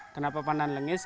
kenapa pandan lengis